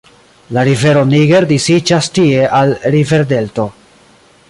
La rivero Niger disiĝas tie al riverdelto.